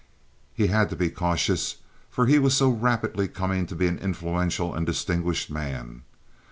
He had to be cautious, for he was so rapidly coming to be an influential and a distinguished man.